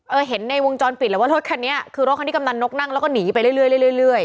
เห็นในวงจรปิดแล้วว่ารถคันนี้คือรถคันที่กำนันนกนั่งแล้วก็หนีไปเรื่อยเรื่อย